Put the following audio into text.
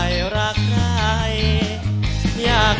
ขอบคุณครับ